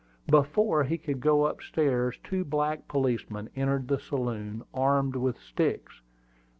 Before he could go up stairs two black policemen entered the saloon, armed with sticks.